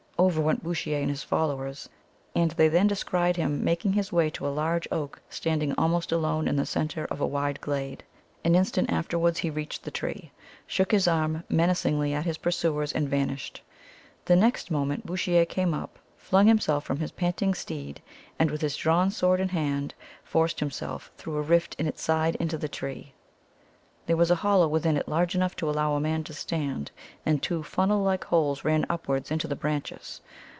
Over went Bouchier and his followers, and they then descried him making his way to a large oak standing almost alone in the centre of a wide glade. An instant afterwards he reached the tree, shook his arm menacingly at his pursuers, and vanished. The next moment Bouchier came up, flung himself from his panting steed, and, with his drawn sword in hand, forced himself through a rift in its side into the tree. There was a hollow within it large enough to allow a man to stand upright, and two funnel like holes ran upwards into the branches.